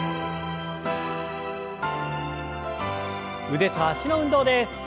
腕と脚の運動です。